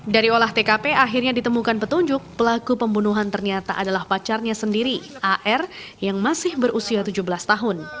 dari olah tkp akhirnya ditemukan petunjuk pelaku pembunuhan ternyata adalah pacarnya sendiri ar yang masih berusia tujuh belas tahun